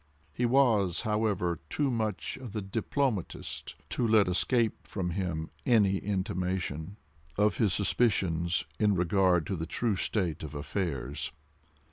He was, however, too much of the diplomatist to let escape him any intimation of his suspicions in regard to the true state of affairs.